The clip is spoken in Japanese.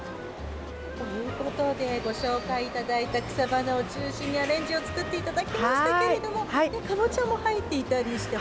ということでご紹介いただいた草花を中心にアレンジを作っていただきましたけれどもカボチャも入っていたりして。